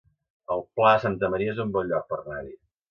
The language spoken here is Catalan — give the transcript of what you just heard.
El Pla de Santa Maria es un bon lloc per anar-hi